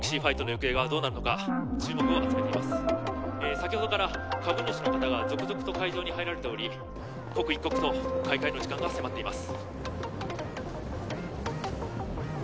先ほどから株主の方が続々と会場に入られており刻一刻と開会の時間が迫っています